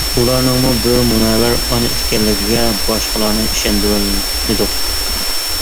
ئۇلارنىڭمۇ بىر مۇنەۋۋەر ئانا ئىكەنلىكىگە باشقىلارنى ئىشەندۈرەلمىدۇق.